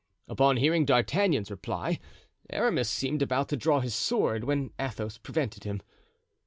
Upon hearing D'Artagnan's reply, Aramis seemed about to draw his sword, when Athos prevented him.